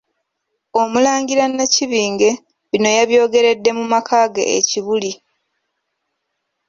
Omulangira Nakibinge, bino yabyogeredde mu makaage e Kibuli